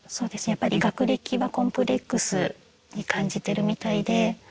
やっぱり学歴はコンプレックスに感じてるみたいで。